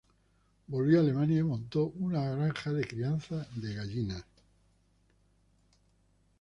Volvió a Alemania y montó una granja de crianza de gallinas.